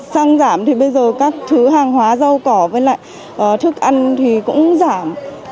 xăng giảm thì bây giờ các thứ hàng hóa rau cỏ với lại thức ăn thì cũng giảm